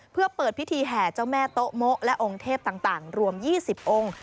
เพื่อเปิดพิธีแห่เจ้าแม่โต๊ะโมะและองค์เทพต่างรวม๒๐องค์